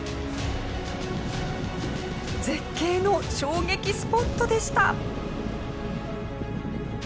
絶景の衝撃スポットでした。